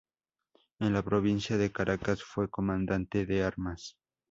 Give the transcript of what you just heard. En la provincia de Caracas fue Comandante de Armas.